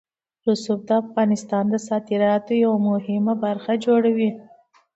رسوب د افغانستان د صادراتو یوه مهمه برخه جوړوي.